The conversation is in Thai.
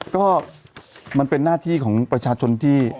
ก็มันเป็นหน้าที่ของประชาชนที่